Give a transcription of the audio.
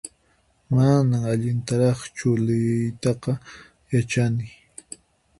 Manan allintaraqchu liyiytaqa yachani